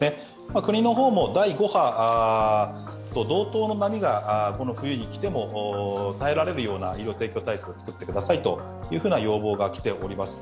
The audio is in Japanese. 国の方も第５波と同等の波がこの冬に来ても耐えられるような医療提供体制を作ってくださいという要望が来ております。